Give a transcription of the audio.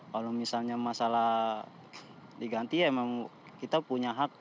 kalau misalnya masalah diganti ya memang kita punya hak